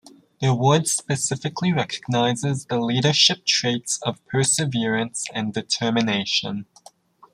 The award specifically recognizes the leadership traits of perseverance and determination.